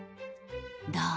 どう？